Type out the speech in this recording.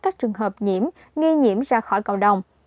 các trường hợp nghi nhiễm ra khỏi cộng đồng